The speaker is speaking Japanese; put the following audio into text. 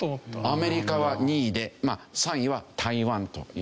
アメリカは２位でまあ３位は台湾という事。